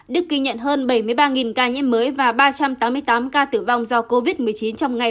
đức ghi nhận hơn bảy mươi ba ca nhiễm mới và ba trăm tám mươi tám ca tử vong do covid một mươi chín trong ngày